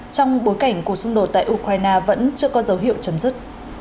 trong bối cảnh cuộc xung đột tại ukraine vẫn chưa có dấu hiệu chấm dứt